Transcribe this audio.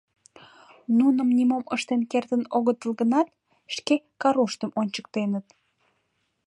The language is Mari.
Нуным нимом ыштен кертын огытыл гынат, шке каруштым ончыктеныт.